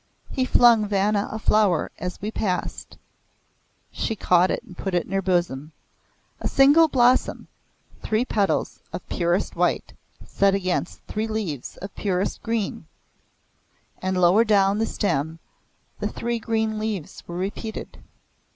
He flung Vanna a flower as we passed. She caught it and put it in her bosom. A singular blossom, three petals of purest white, set against three leaves of purest green, and lower down the stem the three green leaves were repeated.